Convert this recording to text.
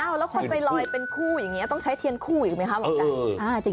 แล้วคนไปลอยเป็นคู่อย่างนี้ต้องใช้เทียนคู่อีกไหมคะหมอไก่